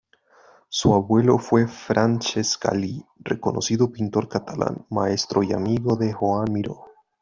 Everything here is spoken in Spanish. Su abuelo fue Francesc Galí, reconocido pintor catalán, maestro y amigo de Joan Miró.